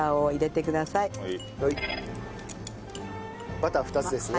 バター２つですね。